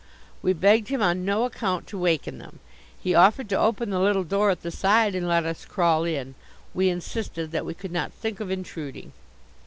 We begged him on no account to waken them. He offered to open the little door at the side and let us crawl in. We insisted that we could not think of intruding.